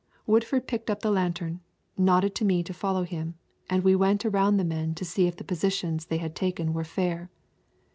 Woodford picked up the lantern, nodded to me to follow him, and we went around the men to see if the positions they had taken were fair.